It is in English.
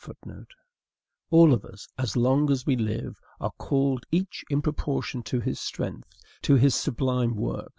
All of us, as long as we live, are called, each in proportion to his strength, to this sublime work.